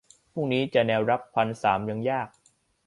พรุ่งนี้จะแนวรับพันสามยังยาก